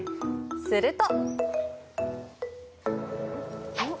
すると。